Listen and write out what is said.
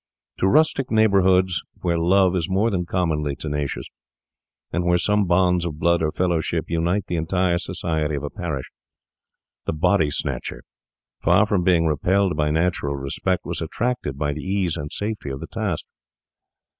To rustic neighbourhoods, where love is more than commonly tenacious, and where some bonds of blood or fellowship unite the entire society of a parish, the body snatcher, far from being repelled by natural respect, was attracted by the ease and safety of the task.